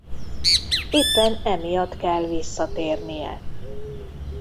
Éppen emiatt kell visszatérnie.